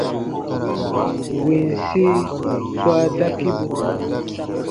Winsi swa dakibu.